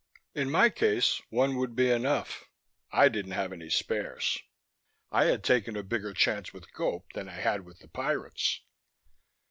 In my case one would be enough; I didn't have any spares. I had taken a bigger chance with Gope than I had with the pirates.